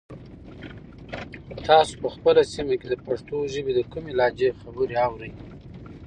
تاسو په خپله سیمه کې د پښتو ژبې د کومې لهجې خبرې اورئ؟